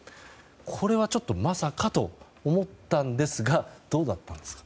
これはちょっとまさかと思ったんですがどうだったんですか？